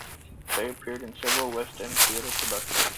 Clay appeared in several West End theatre productions.